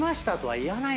言わない。